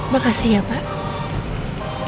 makasih ya pak